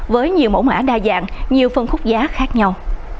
với nhiều mẫu mã đa dạng nhiều phân khúc giá khác nhau